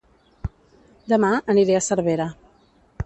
Dema aniré a Cervera